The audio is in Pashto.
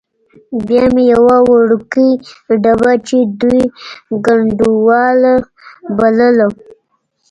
بیا مې یوه وړوکې ډبه چې دوی ګنډولا بلله.